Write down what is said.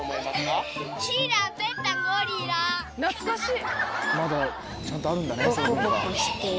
懐かしい！